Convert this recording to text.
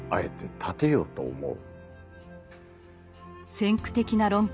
先駆的な論考